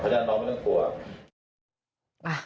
เพราะฉะนั้นน้องไม่ต้องกลัว